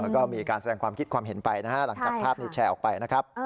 แล้วก็มีการแสดงความคิดความเห็นไปนะฮะหลังจากภาพนี้แชร์ออกไปนะครับ